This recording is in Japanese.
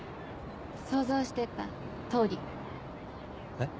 想像してた通り。え？